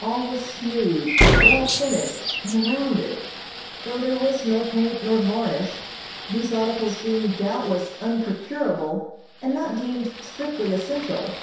All was smooth, well finished, and rounded, though there was no paint nor varnish, these articles being doubtless unprocurable and not deemed strictly essential.